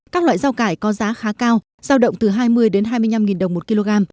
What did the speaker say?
các loại rau cải có giá khá cao rau đậu từ hai mươi hai mươi năm đồng một kg